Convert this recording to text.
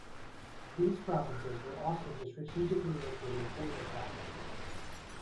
These provinces were often the strategically located border provinces.